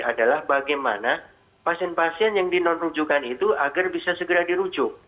adalah bagaimana pasien pasien yang di non rujukan itu agar bisa segera dirujuk